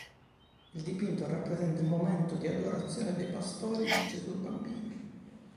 Il dipinto rappresenta il momento di adorazione dei pastori di Gesù bambino.